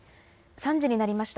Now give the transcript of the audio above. ３時になりました。